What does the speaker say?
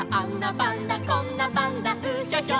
パンダこんなパンダうひょひょ」